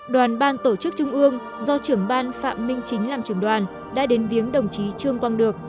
đoàn ban tổ chức trung ương do trưởng ban phạm minh chính làm trường đoàn